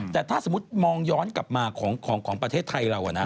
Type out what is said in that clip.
แต่ถ้าสมมุติมองย้อนกลับมาของประเทศไทยเรานะ